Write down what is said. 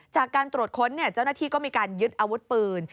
จากการตรวจค้นเจ้าหน้าที่ก็มีการยึดอาวุธปืน